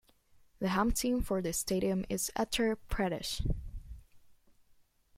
The home team for this stadium is Uttar Pradesh.